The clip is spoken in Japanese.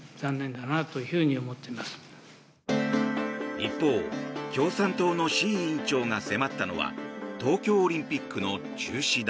一方、共産党の志位委員長が迫ったのは東京オリンピックの中止だ。